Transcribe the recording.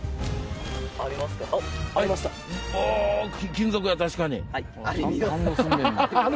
金属や確かに。